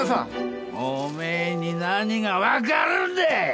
おめえに何が分かるんだい！？